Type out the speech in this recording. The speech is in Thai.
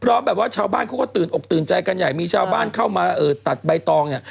แบบว่าชาวบ้านเขาก็ตื่นอกตื่นใจกันใหญ่มีชาวบ้านเข้ามาตัดใบตองเนี่ย